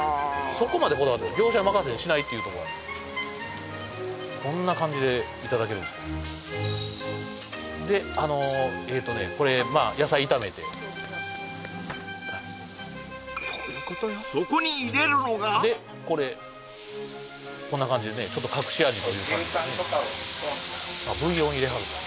そこまでこだわって業者任せにしないっていうとこがこんな感じでいただけるんですであのえとねこれまあ野菜炒めてそういうことよでこれこんな感じでねちょっと隠し味という感じでねブイヨン入れはる